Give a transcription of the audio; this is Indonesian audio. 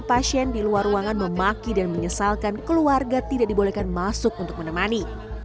pasien di luar ruangan memaki dan menyesalkan keluarga tidak dibolehkan masuk untuk menemani